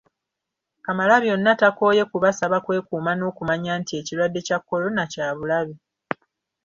Kamalabyonna takooye kubasaba kwekuuma n’okumanya nti ekirwadde kya Corona kya bulabe